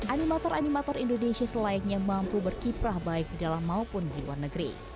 animator animator indonesia selayaknya mampu berkiprah baik di dalam maupun di luar negeri